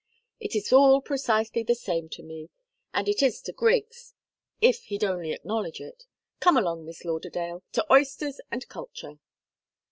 It is all precisely the same to me and it is to Griggs, if he'd only acknowledge it. Come along, Miss Lauderdale to oysters and culture!"